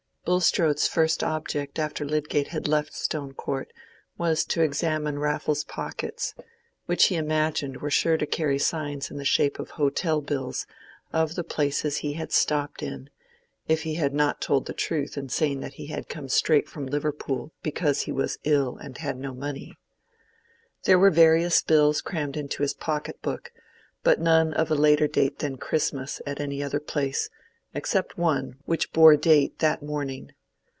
Bulstrode's first object after Lydgate had left Stone Court was to examine Raffles's pockets, which he imagined were sure to carry signs in the shape of hotel bills of the places he had stopped in, if he had not told the truth in saying that he had come straight from Liverpool because he was ill and had no money. There were various bills crammed into his pocketbook, but none of a later date than Christmas at any other place, except one, which bore date that morning.